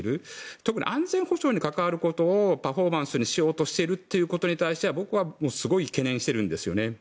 特に安全保障に関わることをパフォーマンスにしようとしていることは僕はすごい懸念してるんですよね。